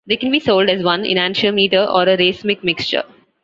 They can be sold as one enantiomer or as a racemic mixture.